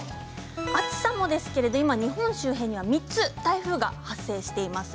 暑さもですが日本周辺には３つ台風が発生しています。